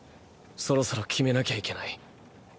そろそろ決めなきゃいけない。